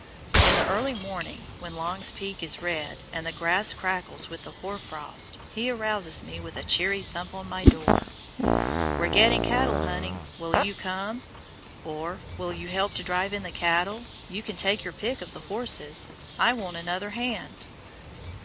In the early morning, when Long's Peak is red, and the grass crackles with the hoar frost, he arouses me with a cheery thump on my door. "We're going cattle hunting, will you come?" or, "Will you help to drive in the cattle? You can take your pick of the horses. I want another hand."